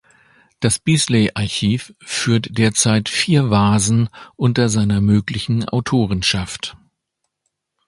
Das Beazley Archive führt derzeit vier Vasen unter seiner möglichen Autorenschaft.